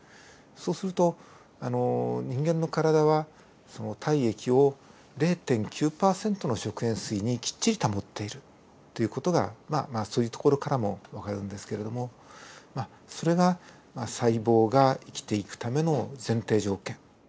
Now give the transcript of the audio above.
そうすると人間の体は体液を０．９％の食塩水にきっちり保っているっていう事がまあそういうところからもわかるんですけれどもまあそれが細胞が生きていくための前提条件。